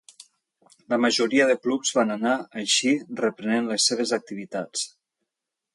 La majoria de clubs van anar, així, reprenent les seves activitats.